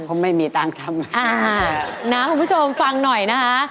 ผมไม่มีตังค์ทำนะคะอ่าน้าผู้ชมฟังหน่อยนะคะ